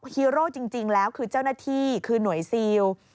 ฮีโร่จริงแล้วคือเจ้าหน้าที่คือหน่วยซีล